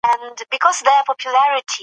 الله مو بخښي که پر ځانونو رحم وکړئ.